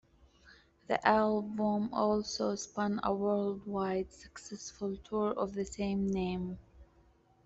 The album also spun a worldwide successful tour of the same name.